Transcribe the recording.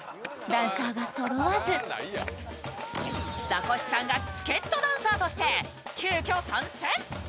ダンサーがそろわず、ザコシさんが助っとダンサーとして急きょ参戦。